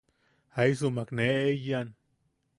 Jaisumak ne eiyan.